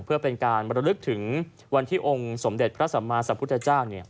เพื่อเป็นการบรรลึกถึงวันที่องค์สมเด็จพระสัมมาสัมพุทธเจ้า